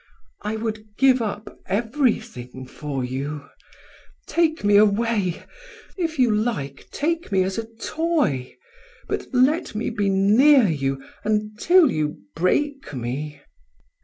I would give up everything for you, take me away. If you like, take me as a toy, but let me be near you until you break me."